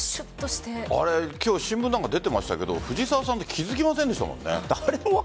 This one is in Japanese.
今日新聞なんかにも出ていましたけど藤澤さんって気付きませんでしたもんね。